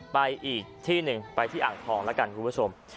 ไปอีกที่หนึ่งไปที่อ่างทองแล้วกันคุณผู้ชม